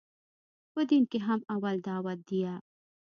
په دين کښې هم اول دعوت ديه.